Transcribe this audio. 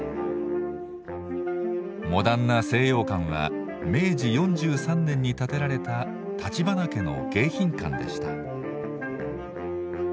モダンな西洋館は明治４３年に建てられた立花家の迎賓館でした。